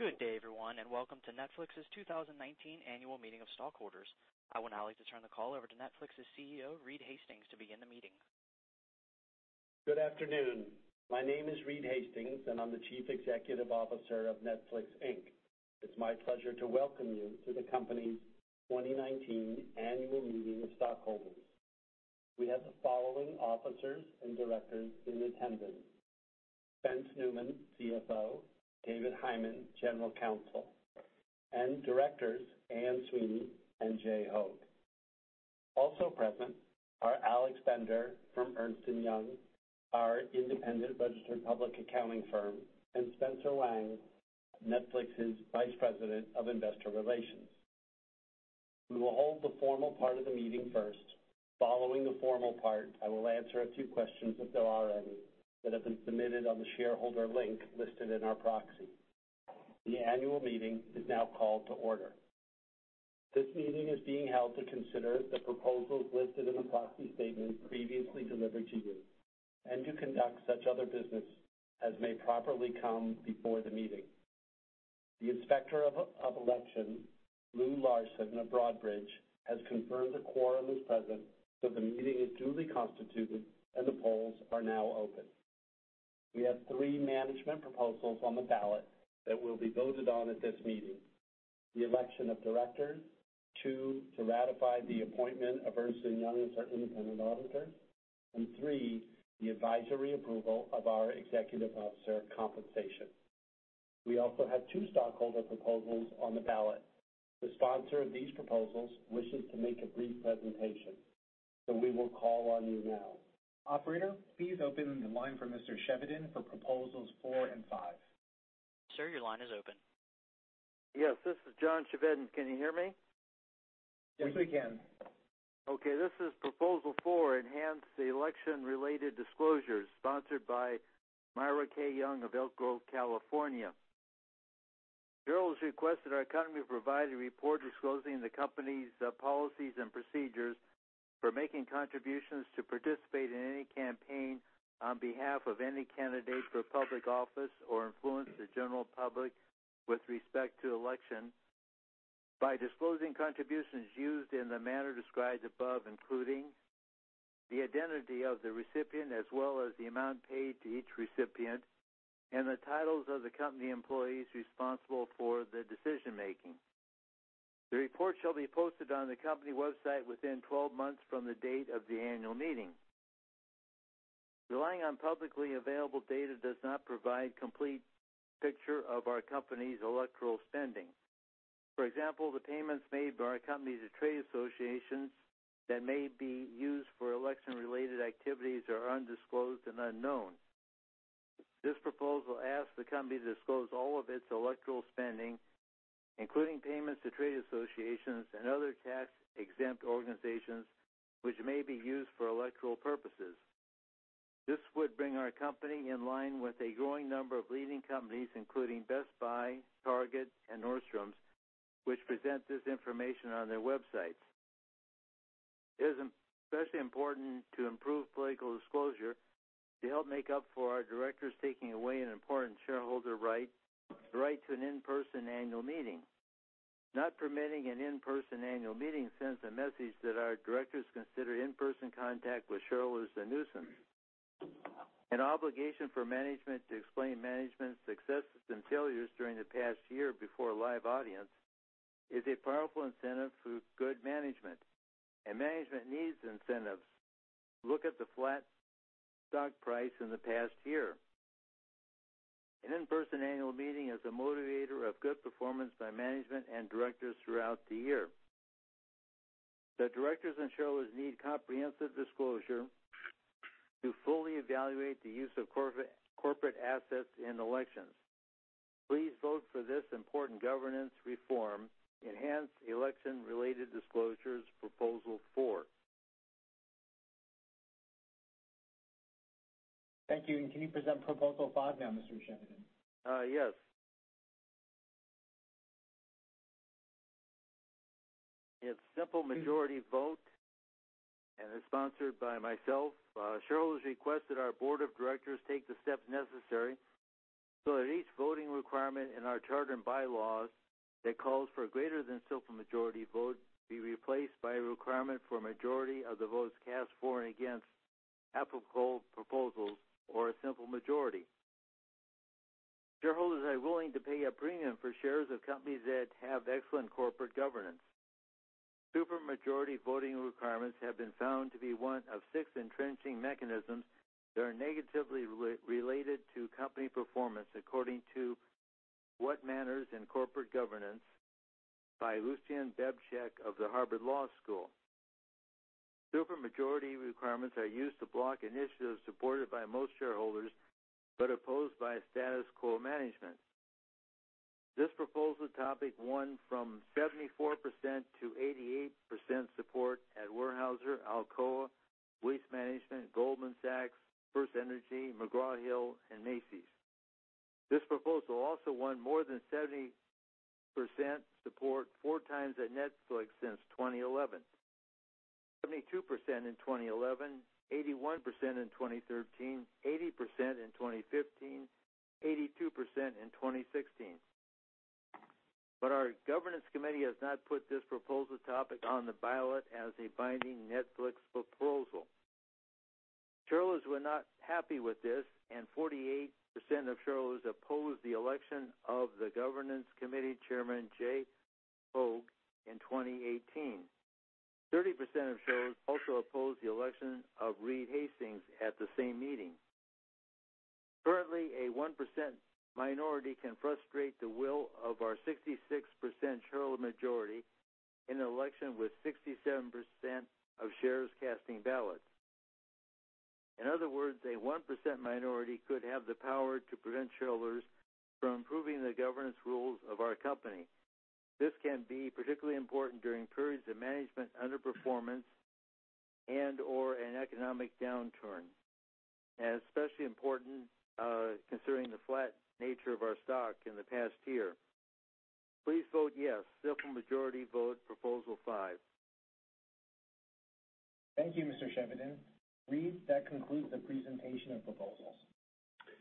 Good day, everyone, and welcome to Netflix's 2019 annual meeting of stockholders. I would now like to turn the call over to Netflix's CEO, Reed Hastings, to begin the meeting. Good afternoon. My name is Reed Hastings, and I'm the Chief Executive Officer of Netflix, Inc. It's my pleasure to welcome you to the company's 2019 annual meeting of stockholders. We have the following officers and directors in attendance: Spence Neumann, CFO, David Hyman, General Counsel, and directors Anne Sweeney and Jay Hoag. Also present are Alex Bender from Ernst & Young, our independent registered public accounting firm, and Spencer Wang, Netflix's Vice President of Investor Relations. We will hold the formal part of the meeting first. Following the formal part, I will answer a few questions if there are any that have been submitted on the shareholder link listed in our proxy. The annual meeting is now called to order. This meeting is being held to consider the proposals listed in the proxy statement previously delivered to you and to conduct such other business as may properly come before the meeting. The Inspector of Elections, Lou Larson of Broadridge, has confirmed a quorum is present, so the meeting is duly constituted, and the polls are now open. We have three management proposals on the ballot that will be voted on at this meeting, the election of directors, two to ratify the appointment of Ernst & Young as our independent auditors, and three, the advisory approval of our executive officer compensation. We also have two stockholder proposals on the ballot. The sponsor of these proposals wishes to make a brief presentation, so we will call on you now. Operator, please open the line for Mr. Chevedden for proposals four and five. Sir, your line is open. Yes, this is John Chevedden. Can you hear me? Yes, we can. Okay. This is proposal four, enhance the election-related disclosures, sponsored by Myra K. Young of Elk Grove, California. Shareholders request that our company provide a report disclosing the company's policies and procedures for making contributions to participate in any campaign on behalf of any candidate for public office or influence the general public with respect to election by disclosing contributions used in the manner described above, including the identity of the recipient, as well as the amount paid to each recipient and the titles of the company employees responsible for the decision-making. The report shall be posted on the company website within 12 months from the date of the annual meeting. Relying on publicly available data does not provide complete picture of our company's electoral spending. For example, the payments made by our company to trade associations that may be used for election-related activities are undisclosed and unknown. This proposal asks the company to disclose all of its electoral spending, including payments to trade associations and other tax-exempt organizations which may be used for electoral purposes. This would bring our company in line with a growing number of leading companies, including Best Buy, Target, and Nordstrom, which present this information on their websites. It is especially important to improve political disclosure to help make up for our directors taking away an important shareholder right, the right to an in-person annual meeting. Not permitting an in-person annual meeting sends a message that our directors consider in-person contact with shareholders a nuisance. An obligation for management to explain management's successes and failures during the past year before a live audience is a powerful incentive for good management. Management needs incentives. Look at the flat stock price in the past year. An in-person annual meeting is a motivator of good performance by management and directors throughout the year. The directors and shareholders need comprehensive disclosure to fully evaluate the use of corporate assets in elections. Please vote for this important governance reform, enhance election-related disclosures proposal 4. Thank you. Can you present proposal 5 now, Mr. Chevedden? Yes. It's simple majority vote and is sponsored by myself. Shareholders request that our board of directors take the steps necessary so that each voting requirement in our charter and bylaws that calls for greater than simple majority vote be replaced by a requirement for a majority of the votes cast for and against applicable proposals, or a simple majority. Shareholders are willing to pay a premium for shares of companies that have excellent corporate governance. Super majority voting requirements have been found to be one of six entrenching mechanisms that are negatively related to company performance, according to What Matters in Corporate Governance by Lucian Bebchuk of the Harvard Law School. Super majority requirements are used to block initiatives supported by most shareholders but opposed by status quo management. This proposal topic won from 74%-88% support at Weyerhaeuser, Alcoa, Waste Management, Goldman Sachs, FirstEnergy, McGraw Hill, and Macy's. This proposal also won more than 70% support four times at Netflix since 2011. 72% in 2011, 81% in 2013, 80% in 2015, 82% in 2016. Our governance committee has not put this proposal topic on the ballot as a binding Netflix proposal. Shareholders were not happy with this, and 48% of shareholders opposed the election of the governance committee chairman, Jay Hoag, in 2018. 30% of shareholders also opposed the election of Reed Hastings at the same meeting. Currently, a 1% minority can frustrate the will of our 66% shareholder majority in an election with 67% of shares casting ballots. In other words, a 1% minority could have the power to prevent shareholders from improving the governance rules of our company. This can be particularly important during periods of management underperformance and/or an economic downturn, especially important considering the flat nature of our stock in the past year. Please vote yes, simple majority vote, proposal 5. Thank you, Mr. Chevedden. Reed, that concludes the presentation of proposals.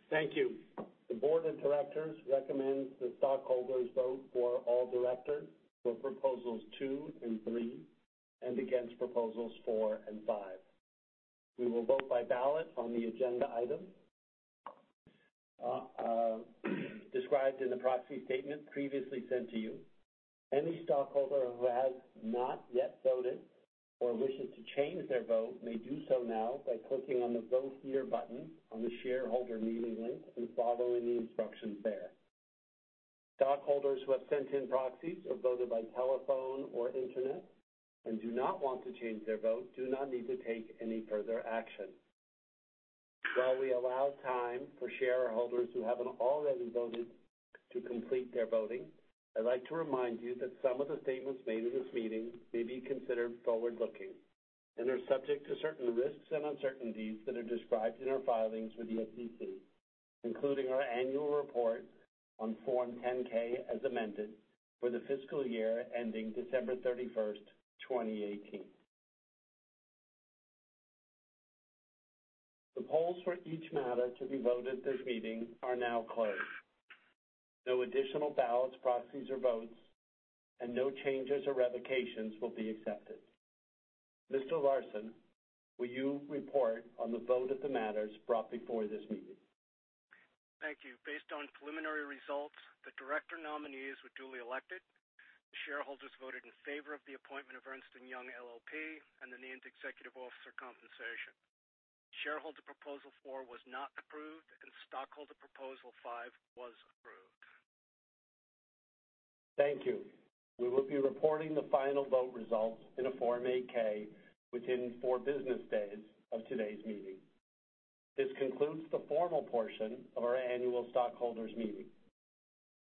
Thank you. The board of directors recommends the stockholders vote for all directors for proposals 2 and 3 and against proposals 4 and 5. We will vote by ballot on the agenda item described in the proxy statement previously sent to you. Any stockholder who has not yet voted or wishes to change their vote may do so now by clicking on the Vote Here button on the shareholder meeting link and following the instructions there. Stockholders who have sent in proxies or voted by telephone or internet and do not want to change their vote do not need to take any further action. While we allow time for shareholders who haven't already voted to complete their voting, I'd like to remind you that some of the statements made in this meeting may be considered forward-looking and are subject to certain risks and uncertainties that are described in our filings with the SEC, including our annual report on Form 10-K as amended for the fiscal year ending December 31st, 2018. The polls for each matter to be voted this meeting are now closed. No additional ballots, proxies, or votes, and no changes or revocations will be accepted. Mr. Larson, will you report on the vote of the matters brought before this meeting? Thank you. Based on preliminary results, the director nominees were duly elected. The shareholders voted in favor of the appointment of Ernst & Young LLP and the named executive officer compensation. Shareholder Proposal 4 was not approved, and Stockholder Proposal 5 was approved. Thank you. We will be reporting the final vote results in a Form 8-K within four business days of today's meeting. This concludes the formal portion of our annual stockholders meeting.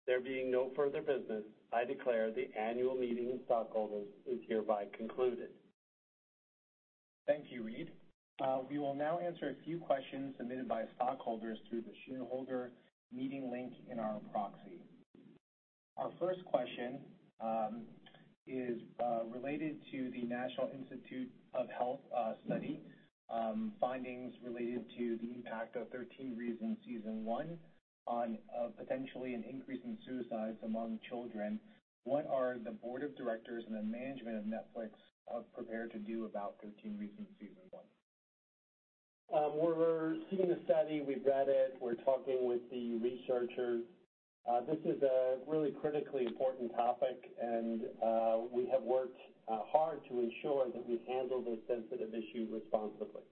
There being no further business, I declare the annual meeting of stockholders is hereby concluded. Thank you, Reed. We will now answer a few questions submitted by stockholders through the shareholder meeting link in our proxy. Our first question is related to the National Institutes of Health study findings related to the impact of "13 Reasons Why" Season 1 on potentially an increase in suicides among children. What are the board of directors and the management of Netflix prepared to do about "13 Reasons Why" Season 1? We're seeing the study. We've read it. We're talking with the researchers. This is a really critically important topic, and we have worked hard to ensure that we handle this sensitive issue responsibly.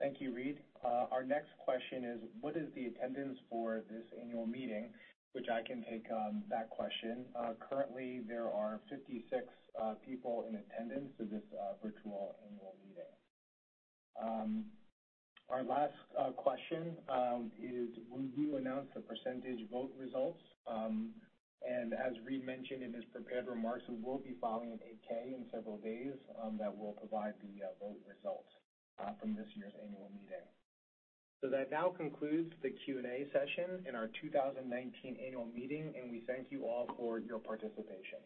Thank you, Reed. Our next question is: What is the attendance for this annual meeting? I can take that question. Currently, there are 56 people in attendance at this virtual annual meeting. Our last question is: Will you announce the percentage vote results? As Reed mentioned in his prepared remarks, we will be filing an 8-K in several days that will provide the vote results from this year's annual meeting. That now concludes the Q&A session in our 2019 annual meeting, and we thank you all for your participation.